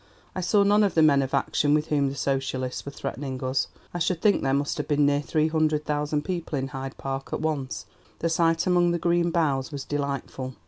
I saw none of the men of action with whom the Socialists were threatening us. ... I should think there must have been near three hundred thousand people in Hyde Park at once. The sight among the green boughs was delightful.